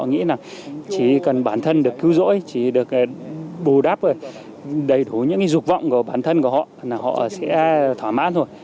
họ được cứu rỗi chỉ được bù đắp đầy đủ những dục vọng của bản thân của họ họ sẽ thỏa mãn rồi